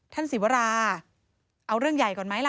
ศิวราเอาเรื่องใหญ่ก่อนไหมล่ะ